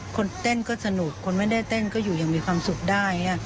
คนเต้นก็สนุกคนไม่ได้เต้นก็อยู่อย่างมีความสุขได้